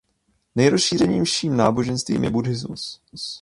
Nejrozšířenějším náboženstvím je buddhismus.